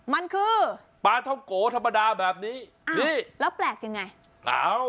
มันคือปลาเทาโกะธรรมดาแบบนี้นี่แล้วแปลกยังไง